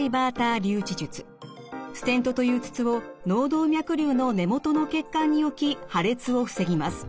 ステントという筒を脳動脈瘤の根元の血管に置き破裂を防ぎます。